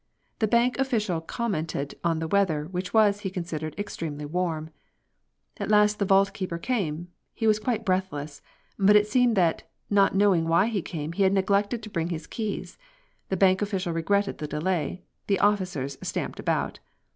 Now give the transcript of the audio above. The bank official commented on the weather, which was, he considered, extremely warm. At last the vault keeper came. He was quite breathless. But it seemed that, not knowing why he came, he had neglected to bring his keys. The bank official regretted the delay. The officers stamped about.